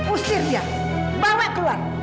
usir dia bawa keluar